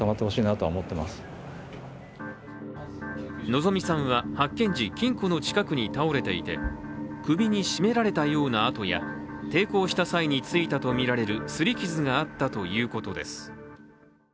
希美さんは発見時、金庫の近くに倒れていて首に絞められたような痕や抵抗した際についたとみられる擦り傷があったということです。